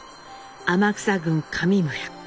天草郡上村